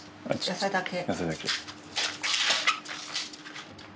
野菜だけ。